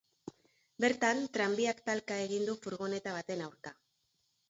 Bertan, tranbiak talka egin du furgoneta baten aurka.